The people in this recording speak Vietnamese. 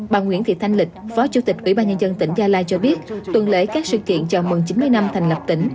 bà nguyễn thị thanh lịch phó chủ tịch ubnd tỉnh gia lai cho biết tuần lễ các sự kiện chào mừng chín mươi năm thành lập tỉnh